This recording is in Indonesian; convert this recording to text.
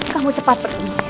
kamu cepat pergi